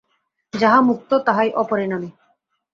যাহা মুক্ত, তাহাই অপরিণামী।